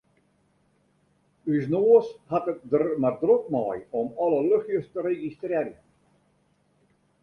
Us noas hat it der mar drok mei om alle luchtsjes te registrearjen.